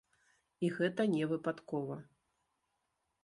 І гэта не выпадкова.